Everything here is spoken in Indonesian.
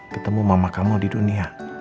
ketemu mama kamu di dunia